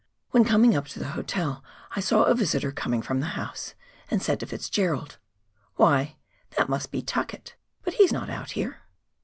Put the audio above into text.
"When coming up to the hotel I saw a visitor coming from the house, and said to Fitzgerald, " Why, that must be Tuckett, but he is not out here."